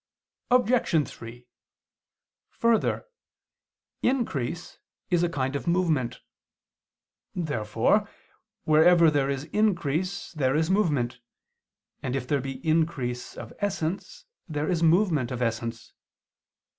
Obj. 3: Further, increase is a kind of movement. Therefore wherever there is increase there is movement, and if there be increase of essence there is movement of essence.